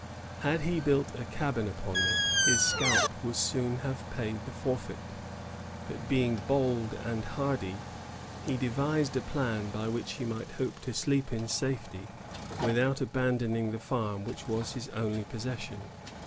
Had he built a cabin upon it, his scalp would soon have paid the forfeit; but, being bold and hardy, he devised a plan by which he might hope to sleep in safety without abandoning the &rm which was his only possession.